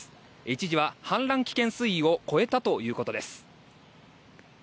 一時は氾濫危険水位を超えたということです。